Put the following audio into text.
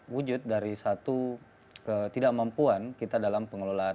wujud dari satu ketidakmampuan kita dalam pengelolaan